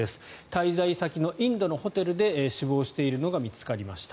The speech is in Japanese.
滞在先のインドのホテルで死亡しているのが見つかりました。